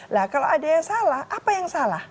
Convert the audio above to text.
nah kalau ada yang salah apa yang salah